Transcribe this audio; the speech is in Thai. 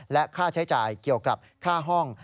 และค่าใช้จ่ายเกี่ยวกับค่าห้อง